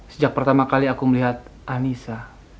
sejak pertama kali aku melihat anissa